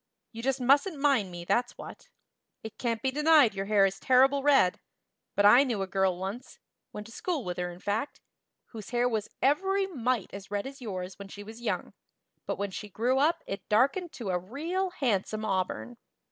You just mustn't mind me, that's what. It can't be denied your hair is terrible red; but I knew a girl once went to school with her, in fact whose hair was every mite as red as yours when she was young, but when she grew up it darkened to a real handsome auburn.